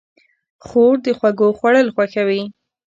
خور د خوږو خوړل خوښوي.